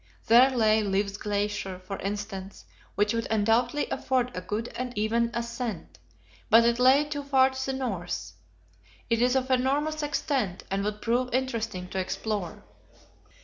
There lay Liv's Glacier, for instance, which would undoubtedly afford a good and even ascent, but it lay too far to the north. It is of enormous extent, and would prove interesting to explore.